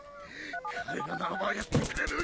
彼らならばやってくれる